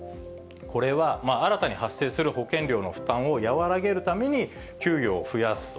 これは、新たに発生する保険料の負担を和らげるために給与を増やすと。